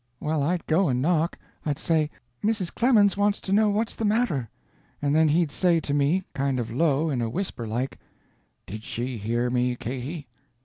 Well, I'd go and knock; I'd say, 'Mrs. Clemens wants to know what's the matter.' And then he'd say to me (kind of low) in a whisper like, 'Did she hear me Katy?'